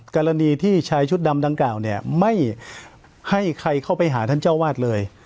กรณีที่ชายชุดดำดังกล่าวเนี่ยไม่ให้ใครเข้าไปหาท่านเจ้าวาดเลย